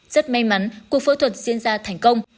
rất may mắn cuộc phẫu thuật diễn ra thành công